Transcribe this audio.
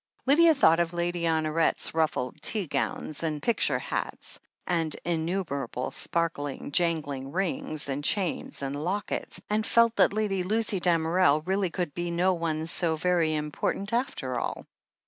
Lydia thought of Lady Honoret's ruffled tea gowns, and picture hats, and innumerable sparkling, jangling rings, and chains and lockets, and felt that Lady Lucy Damerel really could be no one so very important, after all.